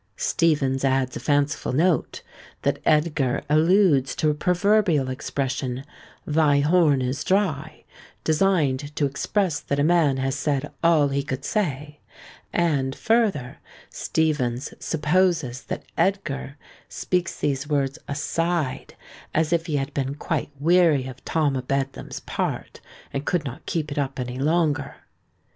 Steevens adds a fanciful note, that Edgar alludes to a proverbial expression, Thy horn is dry, designed to express that a man had said all he could say; and, further, Steevens supposes that Edgar speaks these words aside; as if he had been quite weary of Tom o' Bedlam's part, and could not keep it up any longer.